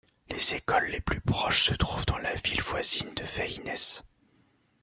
Les écoles les plus proches se trouvent dans la ville voisine de Veynes.